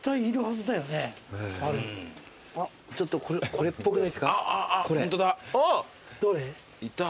これっぽくないですか？